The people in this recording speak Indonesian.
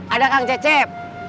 ada kang cecep